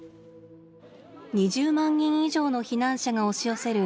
２０万人以上の避難者が押し寄せる